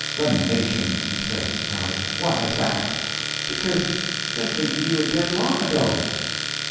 "The nation!" he says, surprised; "why is that?" "Because they think you are dead long ago."